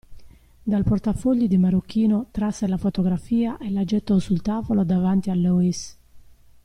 Dal portafogli di marocchino trasse la fotografia e la gettò sul tavolo davanti a Loïs.